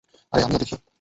আরে আমিও দেখি।